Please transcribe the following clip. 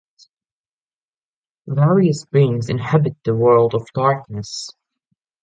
Various beings inhabit the World of Darkness.